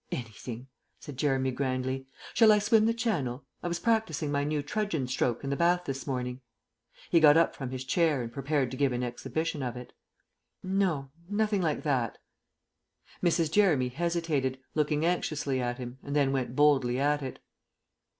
"Anything," said Jeremy grandly. "Shall I swim the Channel? I was practising my new trudgeon stroke in the bath this morning." He got up from his chair and prepared to give an exhibition of it. "No, nothing like that." Mrs. Jeremy hesitated, looked anxiously at him, and then went boldly at it.